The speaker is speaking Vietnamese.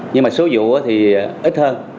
nhưng mà số vụ thì ít hơn